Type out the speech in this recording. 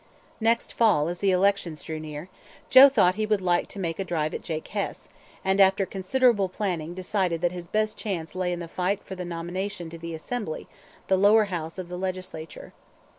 Next fall, as the elections drew near, Joe thought he would like to make a drive at Jake Hess, and after considerable planning decided that his best chance lay in the fight for the nomination to the Assembly, the lower house of the Legislature.